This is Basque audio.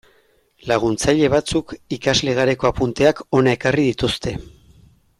Laguntzaile batzuk ikasle garaiko apunteak hona ekarri dituzte.